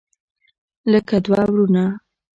لکه دوه ورونه.